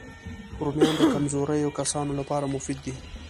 رومیان د کمزوریو کسانو لپاره مفید دي